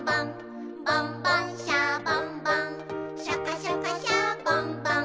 「ボンボン・シャボン・ボンシャカシャカ・シャボン・ボン」